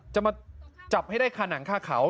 จะมาจับให้ได้ขนังข้าวเขา